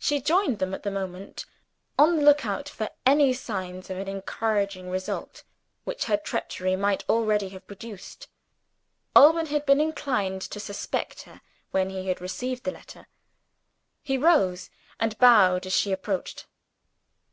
She joined them at the moment, on the lookout for any signs of an encouraging result which her treachery might already have produced. Alban had been inclined to suspect her when he had received the letter. He rose and bowed as she approached.